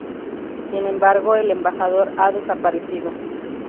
Sin embargo, el embajador ha desaparecido.